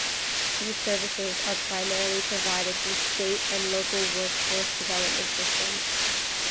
These services are primarily provided through state and local workforce development systems.